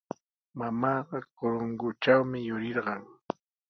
Mamaaqa Corongotrawmi yurirqan.